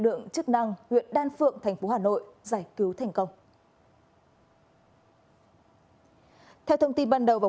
lượng chức năng huyện đan phượng thành phố hà nội giải cứu thành công theo thông tin ban đầu vào